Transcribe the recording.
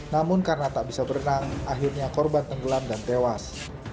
namun karena tak bisa berenang akhirnya korban tenggelam dan tewas